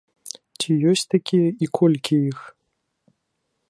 Ці ёсць такія і колькі іх?